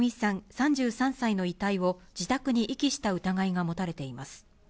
３３歳の遺体を自宅に遺棄した疑いが持たれています。